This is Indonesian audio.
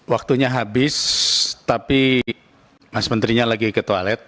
waktunya habis tapi mas menterinya lagi ketualet